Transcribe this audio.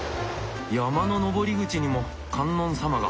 山の登り口にも観音様が。